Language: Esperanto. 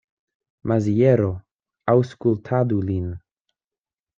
Maziero, aŭskultadu lin.